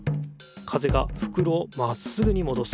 風がふくろをまっすぐにもどす。